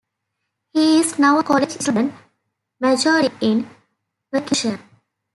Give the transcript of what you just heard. He is now a college student majoring in percussion.